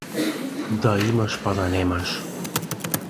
Да имаш па да немаш.